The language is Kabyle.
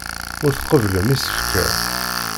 Ur tqebblem isefka.